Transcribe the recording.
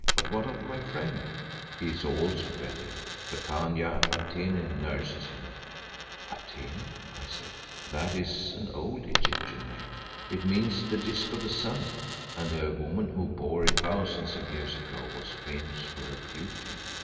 "But what of my friend?" "He also is better. The Khania Atene nurses him." "Atene?" I said. "That is an old Egyptian name. It means the Disk of the Sun, and a woman who bore it thousands of years ago was famous for her beauty."